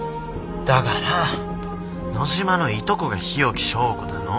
だから野嶋のいとこが日置昭子なの。